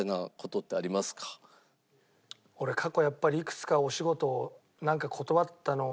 俺過去やっぱりいくつかお仕事を断ったの